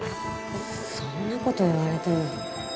そんなこと言われても。